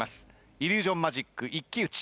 イリュージョンマジック一騎打ち。